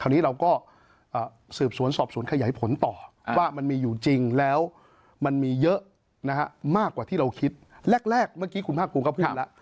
นะฮะมากกว่าที่เราคิดแรกเมื่อกี้คุณภาครูก็พูดแล้ว